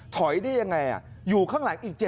ถอยได้ยังไงอยู่ข้างหลังอีก๗